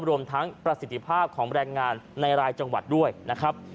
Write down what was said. รวมทั้งประสิทธิภาพของแรงงานในรายจังหวัดด้วยนะครับ